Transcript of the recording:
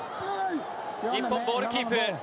日本ボールキープ。